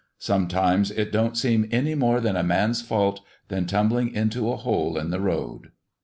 Sometimes it don't seem any more a man's fault than tumbling into a hole in the road."